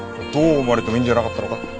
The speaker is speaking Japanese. どう思われてもいいんじゃなかったのか？